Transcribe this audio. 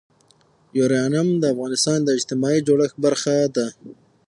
یورانیم د افغانستان د اجتماعي جوړښت برخه ده.